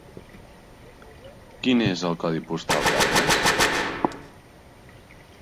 Quin és el codi postal d'Agres?